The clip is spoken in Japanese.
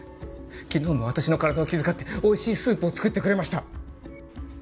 昨日も私の体を気遣って美味しいスープを作ってくれました。